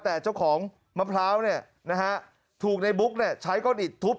แต่เจ้าของมะพร้าวเนี่ยนะฮะถูกในบุ๊กเนี่ยใช้ก้อนอิดทุบ